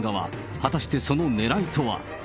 果たしてそのねらいとは。